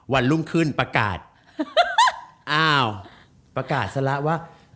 วันรุ่งขึ้นประกาศอ้าวประกาศซะแล้วว่า